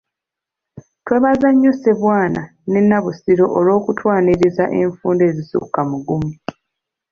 Twebaza nnyo Ssebwana ne Bannabusiro olw'okutwaniriza enfunda ezisukka mu gumu.